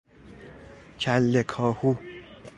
کله کاهو